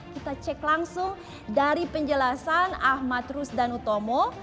kita cek langsung dari penjelasan ahmad rusdan utomo